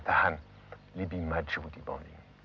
saya akan lebih maju di banding